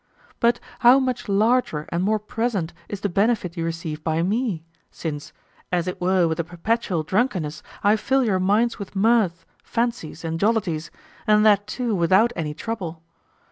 But how much larger and more present is the benefit you receive by me, since, as it were with a perpetual drunkenness I fill your minds with mirth, fancies, and jollities, and that too without any trouble?